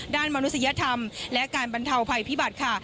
มนุษยธรรมและการบรรเทาภัยพิบัติค่ะ